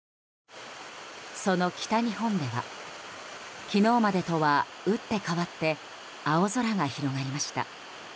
その北日本では昨日までとは打って変わって青空が広がりました。